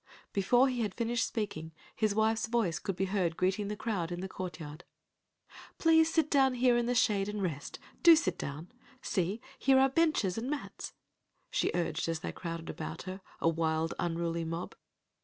Before he had finished speaking his wife's voice could be heard greeting the crowd in the courtyard. "Please sit down here in the shade and rest, do sit down, see, here are benches and mats," she urged as they crowded about her, a wild unruly mob.